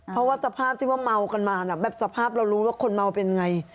เพราะว่าสภาพที่ว่าเมากันมาแบบสภาพเรารู้ว่าคนเมาเป็นไง